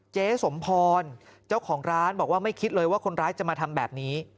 เจ๊สมพรเจ้าของร้านบอกว่าไม่คิดเลยว่าคนร้ายจะมาทำแบบนี้